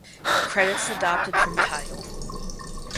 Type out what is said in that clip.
Credits adopted from Tidal.